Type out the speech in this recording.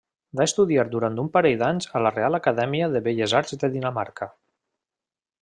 Va estudiar durant un parell d'anys a la Reial Acadèmia de Belles Arts de Dinamarca.